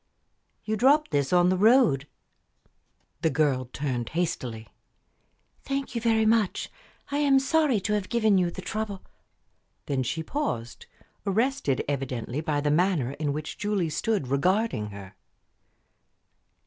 "You dropped this on the road." The girl turned hastily. "Thank you very much. I am sorry to have given you the trouble " Then she paused, arrested evidently by the manner in which Julie stood regarding her.